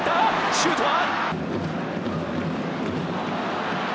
シュートは。